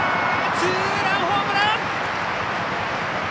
ツーランホームラン！